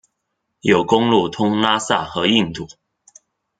有公路通拉萨和印度。